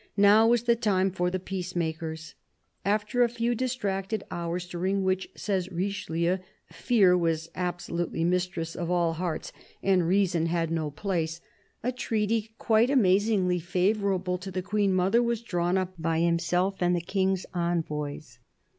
Now was the time for the peacemakers. After a few distracted hours, during whiqh, says Richelieu, " fear was absolutely mistress of all hearts and reason had no 126 CARDINAL DE RICHELIEU place," a treaty, quite amazingly favourable to the Queen mother, was drawn up by himself and the King's envoys.